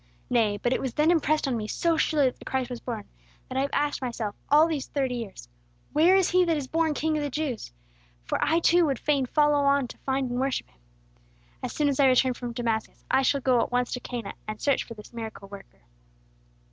"Nay! but it was then impressed on me so surely that the Christ was born, that I have asked myself all these thirty years, 'Where is he that is born king of the Jews?' For I too would fain follow on to find and worship him. As soon as I return from Damascus, I shall go at once to Cana, and search for this miracle worker."